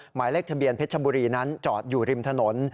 หมายเลขทะเบียนเพชรชบุรีนั้นจอดอยู่ริมถนน